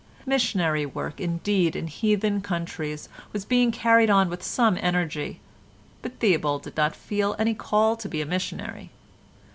Missionary work indeed in heathen countries was being carried on with some energy, but Theobald did not feel any call to be a missionary.